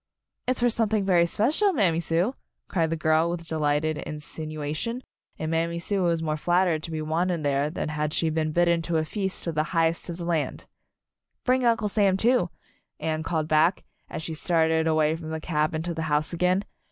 "It's for something very special, Mam my Sue," cried the girl with delightful in 12 Anne's Wedding sinuation, and Mammy Sue was more flattered to be wanted there than had she been bidden to a feast with the highest of the land. "Bring Uncle Sam, too," Anne called back, as she started away from the cabin to the house again.